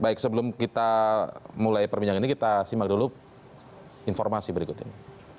baik sebelum kita mulai perbincangan ini kita simak dulu informasi berikut ini